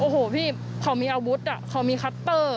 โอ้โหพี่เขามีอาวุธเขามีคัตเตอร์